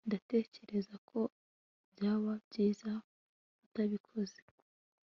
ndatekereza ko byaba byiza utabikoze